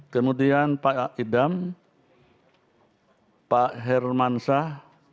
kemudian pak idam pak hermansyah